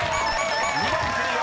２問クリア！